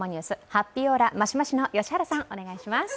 ハッピーオーラマシマシの良原さん、お願いします。